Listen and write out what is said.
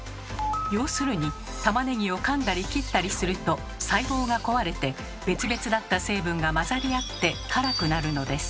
要するにたまねぎをかんだり切ったりすると細胞が壊れて別々だった成分が混ざり合って辛くなるのです。